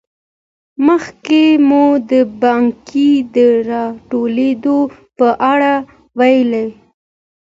مخکې مو د پانګې د راټولېدو په اړه وویل